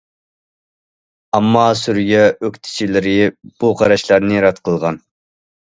ئەمما سۈرىيە ئۆكتىچىلىرى بۇ قاراشلارنى رەت قىلغان.